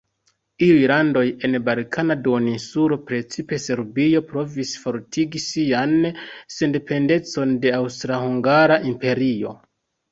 Iuj landoj en Balkana duoninsulo, precipe Serbio, provis fortigi sian sendependecon de Aŭstra-Hungara Imperio.